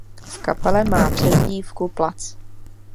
V kapele má přezdívku ""Platz"".